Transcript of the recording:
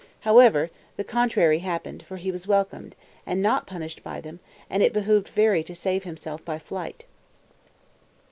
However, the contrary happened, for he was welcomed, not punished by them; and it behooved Veri to save himself by flight.